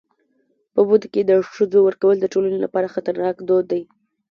په بدو کي د ښځو ورکول د ټولني لپاره خطرناک دود دی.